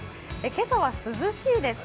今朝は涼しいです。